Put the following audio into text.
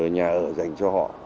nhà ở dành cho họ